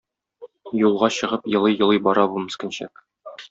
Юлга чыгып елый-елый бара бу мескенчәк.